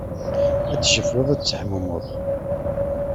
Ad tejjefleḍ, ad tetthummuḍ.